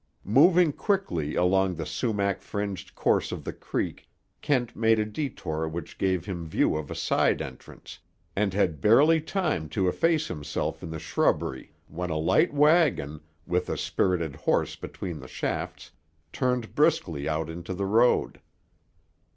Moving quickly along the sumac fringed course of the creek, Kent made a détour which gave him view of a side entrance, and had barely time to efface himself in the shrubbery when a light wagon, with a spirited horse between the shafts, turned briskly out into the road.